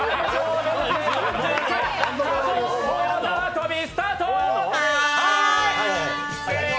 仮装大縄跳びスタート！